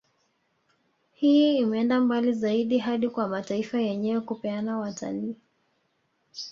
Hii imeenda mbali zaidi hadi kwa mataifa yenyewe kupeana watalii